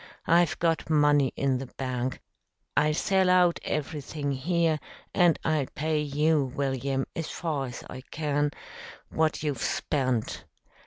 I've got money in the bank, I'll sell out everything here, and I'll pay you, William, as far as I can, what you've spent.